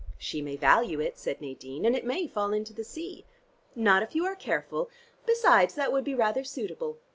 "She may value it," said Nadine. "And it may fall into the sea." "Not if you are careful. Besides, that would be rather suitable.